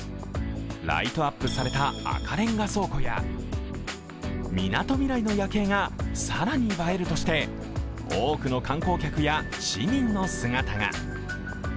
ライトアップされた赤レンガ倉庫や、みなとみらいの夜景が更に映えるとして多くの観光客や市民の姿が。